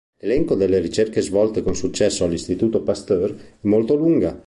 L'elenco delle ricerche svolte con successo all'Istituto Pasteur è molto lunga.